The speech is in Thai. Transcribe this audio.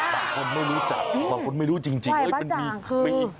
คนไม่รู้จักบางคนไม่รู้จริงว่ายบะจางคือ